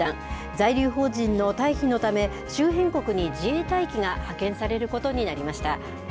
在留邦人の退避のため周辺国に自衛隊機が派遣されることになりました。